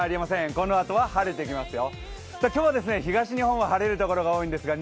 このあとは晴れてきますよ。